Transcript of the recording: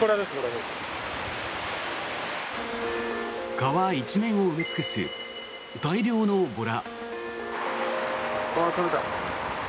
川一面を埋め尽くす大量のボラ。